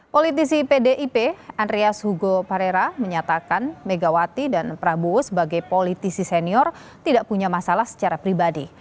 politisi pdip andreas hugo parera menyatakan megawati dan prabowo sebagai politisi senior tidak punya masalah secara pribadi